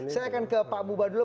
saya akan ke pak buba dulu